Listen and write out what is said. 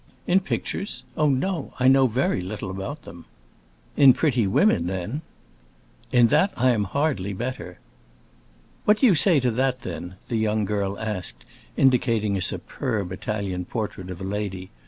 "In pictures? Oh, no; I know very little about them." "In pretty women, then." "In that I am hardly better." "What do you say to that, then?" the young girl asked, indicating a superb Italian portrait of a lady.